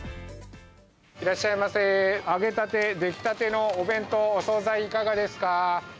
いらっしゃいませ、揚げたて、出来たてのお弁当、お総菜いかがですか。